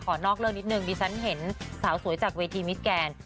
นอกเรื่องนิดนึงดิฉันเห็นสาวสวยจากเวทีมิสแกน